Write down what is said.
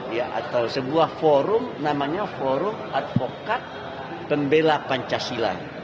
ya atau sebuah forum namanya forum advokat pembela pancasila